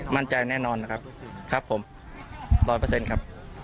มั่นใจแน่นอนนะครับครับผมร้อยเปอร์เซ็นต์ครับ